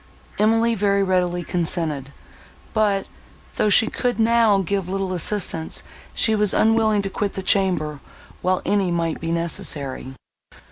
Emily very readily consented, but, though she could now give little assistance, she was unwilling to quit the chamber, while any might be necessary.